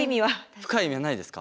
深い意味はないですか？